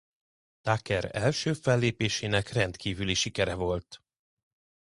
Tucker első fellépésének rendkívüli sikere volt.